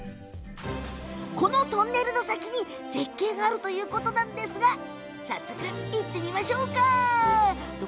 このトンネルの先に絶景があるということなんですが早速、行ってみましょう。